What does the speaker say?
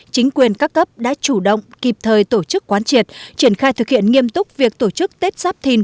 chính quyền các cấp đã chủ động kịp thời tổ chức quán triệt triển khai thực hiện nghiêm túc việc tổ chức tết giáp thìn